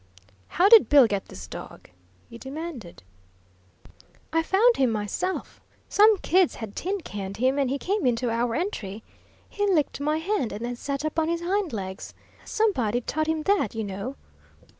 "How did Bill get this dog?" he demanded. "I found him myself. Some kids had tin canned him, and he came into our entry. He licked my hand, and then sat up on his hind legs. Somebody'd taught him that, you know.